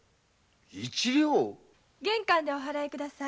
一両玄関でお払いください。